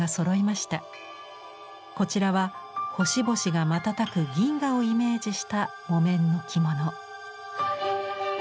こちらは星々が瞬く銀河をイメージした木綿の着物。